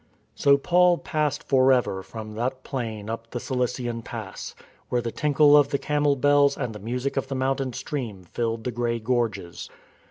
So Paul passed for ever from that plain up the Cilician Pass, where the tinkle of the camel bells and the music of the mountain stream filled the grey gorges.